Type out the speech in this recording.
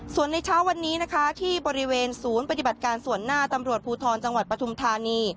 ส่วนในเช้าวันนี้นะคะที่บริเวณศูนย์ปฏิบัติการส่วนหน้าตำรวจภูทรจังหวัดปฐุมธานี